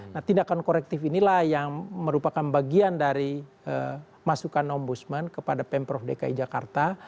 nah tindakan korektif inilah yang merupakan bagian dari masukan ombudsman kepada pemprov dki jakarta